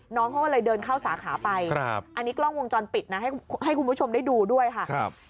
น้องเขาก็เลยเดินเข้าสาขาไปอันนี้กล้องวงจรปิดนะให้คุณผู้ชมได้ดูด้วยค่ะ